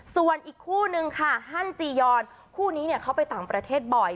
ส่วนอีกคู่นึงค่ะฮันจียอนคู่นี้เขาไปต่างประเทศบ่อย